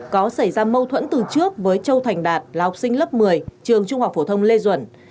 có xảy ra mâu thuẫn từ trước với châu thành đạt là học sinh lớp một mươi trường trung học phổ thông lê duẩn